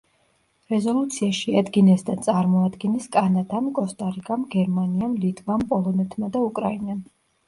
რეზოლუცია შეადგინეს და წარმოადგინეს კანადამ, კოსტა-რიკამ, გერმანიამ, ლიტვამ, პოლონეთმა და უკრაინამ.